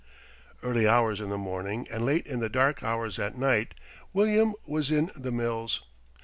Early hours in the morning and late in the dark hours at night William was in the mills.